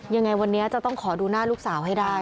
ยังไงวันนี้จะต้องขอดูหน้าลูกสาวให้ได้